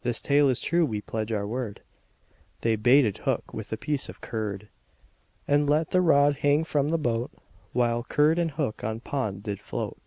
This tale is true we pledge our word, They baited hook with a piece of curd, And let the rod hang from the boat, While curd and hook on pond did float.